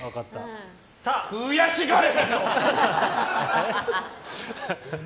悔しがれ！